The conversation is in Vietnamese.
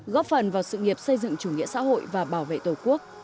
góp phần vào sự nghiệp xây dựng chủ nghĩa xã hội và bảo vệ tổ quốc